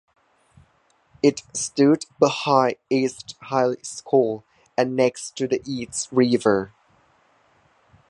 It stood behind East High School and next to the East River.